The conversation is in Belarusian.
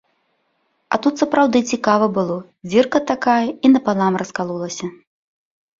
А тут сапраўды цікава было, дзірка такая і напалам раскалолася.